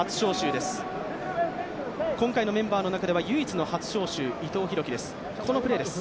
今回のメンバーの中では唯一の初招集伊藤洋輝です、このプレーです。